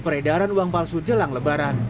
peredaran uang palsu jelang lebaran